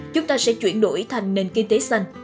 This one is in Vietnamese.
chúng ta sẽ chuyển đổi thành nền kinh tế xanh